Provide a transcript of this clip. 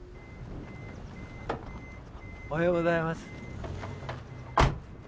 おはようございます。